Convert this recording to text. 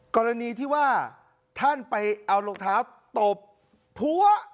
กรณีที่ว่าท่านไปเอารองเท้าตบพัว